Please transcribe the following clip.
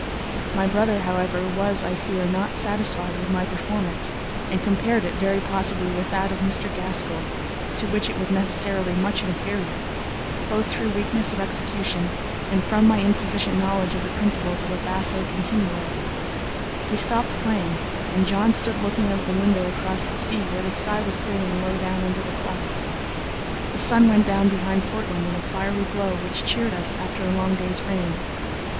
My brother, however, was, I fear, not satisfied with my performance, and compared it, very possibly, with that of Mr. Gaskell, to which it was necessarily much inferior, both through weakness of execution and from my insufficient knowledge of the principles of the basso continuo. We stopped playing, and John stood looking out of the window across the sea, where the sky was clearing low down under the clouds. The sun went down behind Portland in a fiery glow which cheered us after a long day's rain.